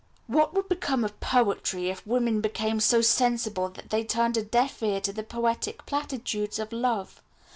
"What would become of poetry if women became so sensible that they turned a deaf ear to the poetic platitudes of love?